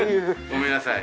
ごめんなさい。